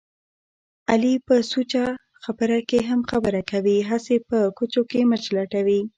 علي په سوچه خبره کې هم خبره کوي. هسې په کوچو کې مچ لټوي.